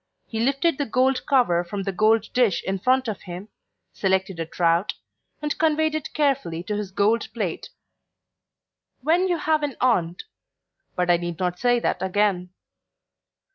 He lifted the gold cover from the gold dish in front of him, selected a trout, and conveyed it carefully to his gold plate. When you have an aunt But I need not say that again.